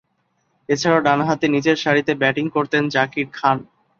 এছাড়াও, ডানহাতে নিচেরসারিতে ব্যাটিং করতেন জাকির খান।